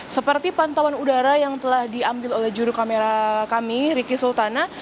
seperti pantauan udara yang telah diambil oleh juru kamera kami riki sultana